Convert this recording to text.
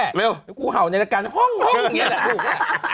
เร็วกูเห่าในละการห่งอย่างนี้แหละถูกไหม